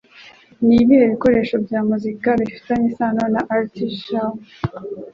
Nibihe bikoresho bya muzika bifitanye isano na Artie Shaw?